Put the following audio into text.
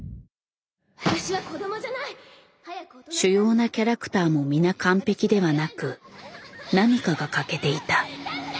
主要なキャラクターもみな完璧ではなく何かが欠けていた。